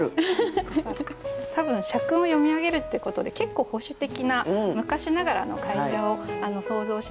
多分「社訓を読みあげる」っていうことで結構保守的な昔ながらの会社を想像しました。